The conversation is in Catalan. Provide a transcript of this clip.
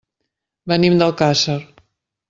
Venim d'Alcàsser.